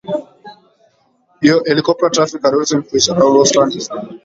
Helicopter traffic had also increased around Watson Island.